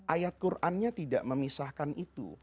ayat qurannya tidak memisahkan itu